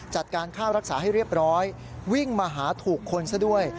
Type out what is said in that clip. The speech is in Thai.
จัดการค่ารักษาให้เรียบร้อยวิ่งมาหาถูกคนซะด้วย